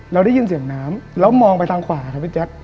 เราได้ยินเสียงน้ำแล้วมองไปทางขวาครับพี่แจ๊ค